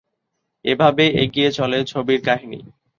এভাবেই এগিয়ে চলে ছবির কাহিনী।